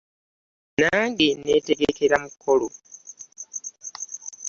Nange netegekera mukolo.